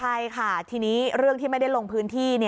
ใช่ค่ะทีนี้เรื่องที่ไม่ได้ลงพื้นที่